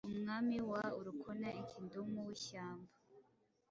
umwami wa Urukona Enkiduumuntu wishyamba